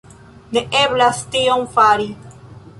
Ne eblas tion fari.